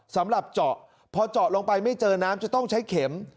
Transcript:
สำหรับเจาะพอเจาะลงไปไม่เจอน้ำจะต้องใช้เข็ม